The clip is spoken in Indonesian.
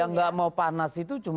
yang tidak mau panas itu